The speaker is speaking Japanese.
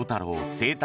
生誕